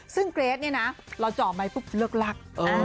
ซึ่งเกรทเนี่ยนะเราเจาะไม้ปุ๊บเลิกลัก